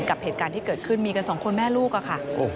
กับเหตุการณ์ที่เกิดขึ้นมีกันสองคนแม่ลูกค่ะ